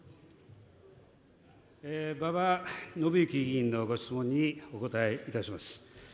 馬場伸幸議員のご質問にお答えいたします。